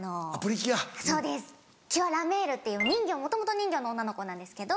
キュアラメールっていうもともと人魚の女の子なんですけど。